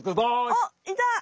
おっいた！